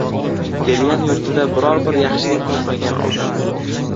– kelgan yurtida biror-bir yaxshilik topmagan odam